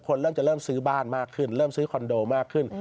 เริ่มจะเริ่มซื้อบ้านมากขึ้นเริ่มซื้อคอนโดมากขึ้น